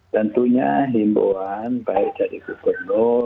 tentunya himbuan baik dari gubernur